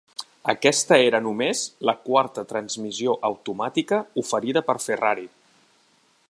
Aquesta era només la quarta transmissió automàtica oferida per Ferrari.